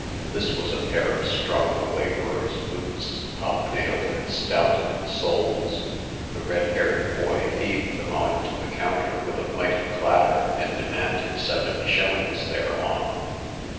This was a pair of strong laborer's boots, hob nailed, and stout in the soles. The red haired boy heaved them on to the counter with a mighty clatter, and demanded seven shillings thereon.